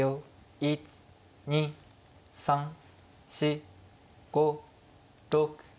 １２３４５６。